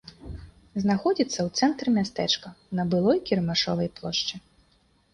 Знаходзіцца ў цэнтры мястэчка, на былой кірмашовай плошчы.